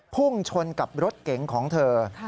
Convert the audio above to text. พุ่งชนกับรถเก๋งของเธอ